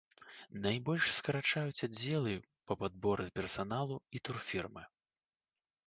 Найбольш скарачаюць аддзелы па падборы персаналу і турфірмы.